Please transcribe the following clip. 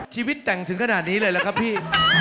ชีวิตแต่งถึงขนาดนี้เลยล่ะครับพี่